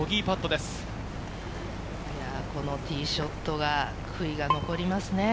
このティーショットが悔いが残りますね。